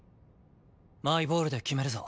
マイボールで決めるぞ。